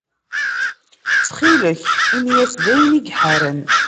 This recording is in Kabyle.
Ttxil-k, ini-as d ayen i iḥaren.